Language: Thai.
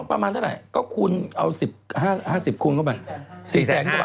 ก็ประมาณเท่าไหร่ก็คูณเอา๕๐คูณเข้าไป